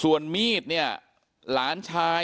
เป็นมีดปลายแหลมยาวประมาณ๑ฟุตนะฮะที่ใช้ก่อเหตุ